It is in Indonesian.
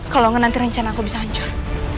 kalau enggak nanti rencana aku bisa hancur